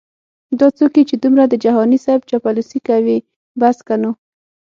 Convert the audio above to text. دا څوک یې چې دمره د جهانې صیب چاپلوسې کوي بس که نو